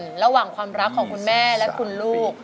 ทั้งในเรื่องของการทำงานเคยทำนานแล้วเกิดปัญหาน้อย